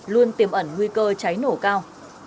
luôn tiềm ẩn nguy cơ cháy nổ cao